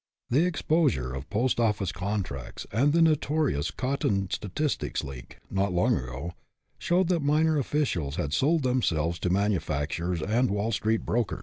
The exposure of post office contracts and the notorious " cotton statistics leak," not long ago, showed that minor officials had sold themselves to manu facturers and Wall Street brokers.